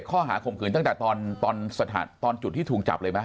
ข้อหาคงคืนตั้งแต่ตอนจุดที่ถุงจับเลยไหม